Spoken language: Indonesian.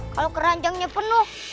kalau keranjangnya penuh